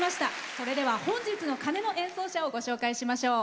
それでは本日の鐘の演奏者をご紹介しましょう。